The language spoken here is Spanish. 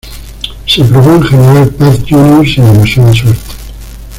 Se probó en General Paz Juniors sin demasiada suerte.